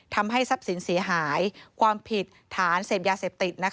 ทำให้ทรัพย์สินเสียหายความผิดฐานเสพยาเสพติด